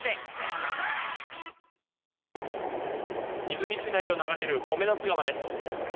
出水市内を流れる川です。